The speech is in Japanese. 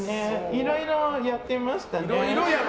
いろいろやってましたね。